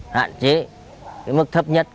hạn chế mức thấp nhất